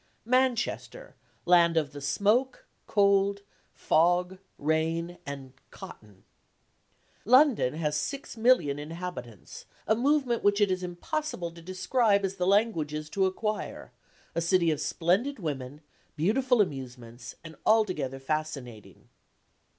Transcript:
"Manchester, land of the smoke, cold, fog, rain and cotton! "London has six million inhabitants, a movement which it is as impossible to describe as the language is to acquire. A city of splendid women, beautiful amusements, and altogether fascinating.